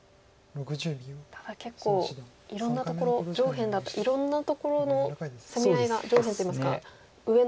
ただ結構いろんなところ上辺だったりいろんなところの攻め合いが上辺といいますか上の方の白４子とも。